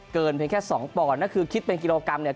เกินเพียงแค่สองปอนด์ก็คือคิดเป็นกิโลกรัมเนี่ย